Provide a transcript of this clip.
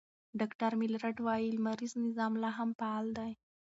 ډاکټر میلرډ وايي، لمریز نظام لا هم فعال دی.